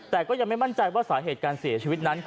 แต่ก็ยังไม่มั่นใจว่าสาเหตุการเสียชีวิตนั้น